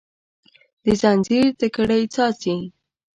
د ځنځیر تر کړۍ څاڅي